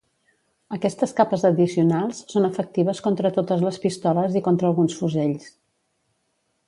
Aquestes capes addicionals són efectives contra totes les pistoles i contra alguns fusells.